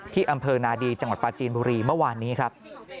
อำเภอนาดีจังหวัดปลาจีนบุรีเมื่อวานนี้ครับ